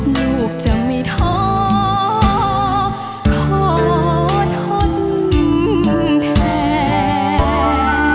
ลูกจะไม่ท้อขอทนแทน